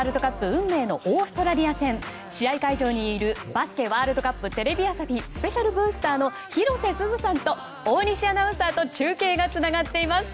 運命のオーストラリア戦試合会場にいるバスケワールドカップテレビ朝日スペシャルブースターの広瀬すずさんと大西アナウンサーと中継がつながっています。